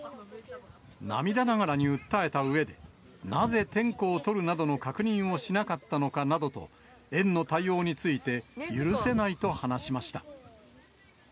涙ながらに訴えたうえで、なぜ点呼を取るなどの確認をしなかったのかなどと、園の対応について、許せないと話しました。